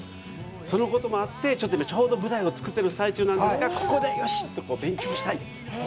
そのこともあって、ちょうど舞台を作ってる最中なんですがここで、よしと、勉強したいと。